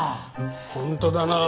本当だなあ。